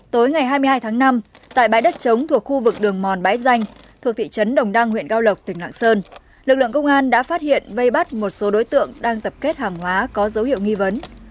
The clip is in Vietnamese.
tối ngày hai mươi hai tháng năm tại bãi đất chống thuộc khu vực đường mòn bãi danh thuộc thị trấn đồng đăng huyện cao lộc tỉnh lạng sơn lực lượng công an đã phát hiện vây bắt một số đối tượng đang tập kết hàng hóa có dấu hiệu nghi vấn